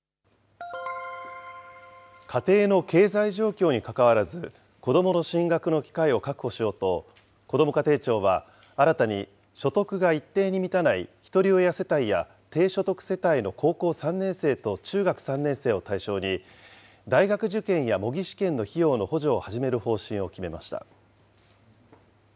家庭の経済状況にかかわらず、子どもの進学の機会を確保しようと、こども家庭庁は、新たに所得が一定に満たないひとり親世帯や低所得世帯の高校３年生と中学３年生を対象に、大学受験や模擬試験の費用の補助を始める方針を決めました。